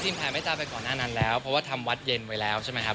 แผ่เมตตาไปก่อนหน้านั้นแล้วเพราะว่าทำวัดเย็นไว้แล้วใช่ไหมครับ